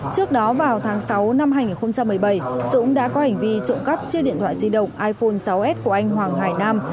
trước đó vào tháng sáu năm hai nghìn một mươi bảy dũng đã có hành vi trộm cắp chiếc điện thoại di động iphone sáu s của anh hoàng hải nam